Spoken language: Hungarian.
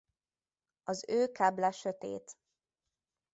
Az ő keble sötét.